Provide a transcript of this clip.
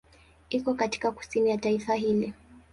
Iko katika kusini ya taifa hili.